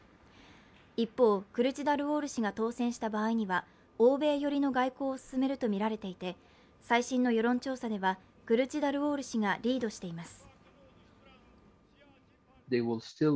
一方、クルチダルオール氏が当選した場合には欧米寄りの外交を進めるとみられていて最新の世論調査では、クルチダルオール氏がリードしています。